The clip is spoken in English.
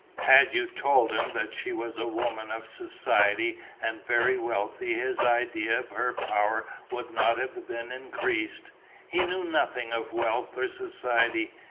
Had you told him that she was a woman of society and very wealthy his idea of her power would not have been increased; he knew nothing of wealth or society.